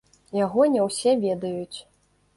Яго не ўсе ведаюць.